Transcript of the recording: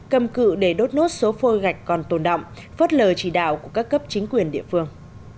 cầm cự để đốt nốt số phôi gạch còn tồn động phớt lờ chỉ đạo của các cấp chính quyền địa phương